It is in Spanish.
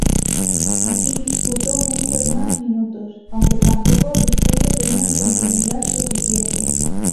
Aquí disputó muchos más minutos, aunque tampoco dispuso de una continuidad suficiente.